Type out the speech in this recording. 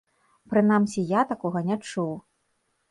Прынамсі я такога не чуў.